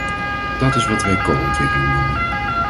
Dat is wat wij co-ontwikkeling noemen.